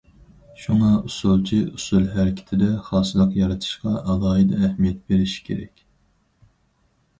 شۇڭا، ئۇسسۇلچى ئۇسسۇل ھەرىكىتىدە خاسلىق يارىتىشقا ئالاھىدە ئەھمىيەت بېرىش كېرەك.